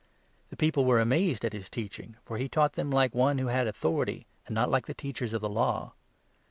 The people were amazed 22 at his teaching, for he taught them like one who had authority, and not like the Teachers of the Law.